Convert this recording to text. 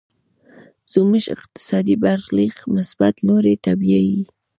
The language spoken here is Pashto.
زموږ اقتصادي برخليک مثبت لوري ته بيايي.